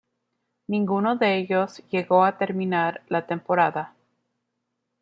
Ninguno de ellos llegó a terminar la temporada.